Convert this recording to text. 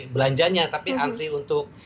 belanjanya tapi antri untuk